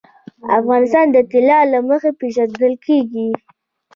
افغانستان د طلا له مخې پېژندل کېږي.